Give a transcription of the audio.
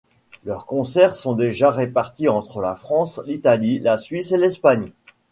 Leurs concerts sont déjà répartis entre la France, l'Italie, la Suisse et l'Espagne.